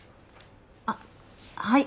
あっはい。